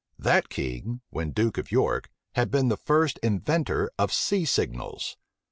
[] That king, when duke of York, had been the first inventor of sea signals.